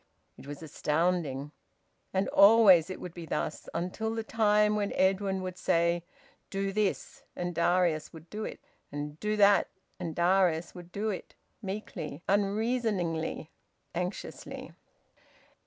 It was astounding. And always it would be thus, until the time when Edwin would say `Do this' and Darius would do it, and `Do that' and Darius would do it, meekly, unreasoningly, anxiously.